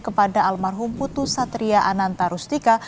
kepada almarhum putus satria ananta rustika